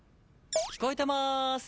「聞こえてまーす！」